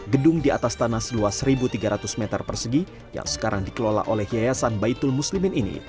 gedung di atas tanah seluas satu tiga ratus meter persegi yang sekarang dikelola oleh yayasan baitul muslimin ini